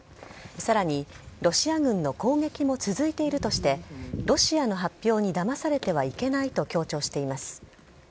さらに、ロシア軍の攻撃も続いているとして、ロシアの発表にだまされてはいけないと強調しています。